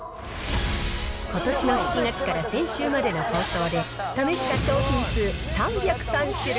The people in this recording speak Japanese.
ことしの７月から先週までの放送で、試した商品数３０３種類。